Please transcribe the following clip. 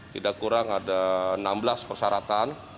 tidak kurang ada enam belas persyaratan